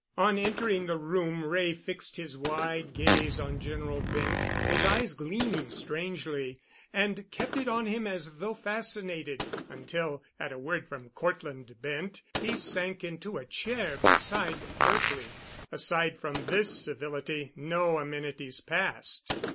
On entering the room Wray fixed his wide gaze on General Bent, his eyes gleaming strangely, and kept it on him as though fascinated, until, at a word from Cortland Bent, he sank into a chair beside Berkely. Aside from this civility, no amenities passed.